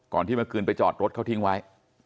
ที่เมื่อคืนไปจอดรถเขาทิ้งไว้